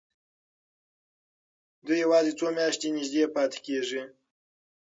دوی یوازې څو میاشتې نږدې پاتې کېږي.